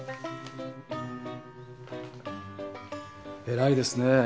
偉いですね。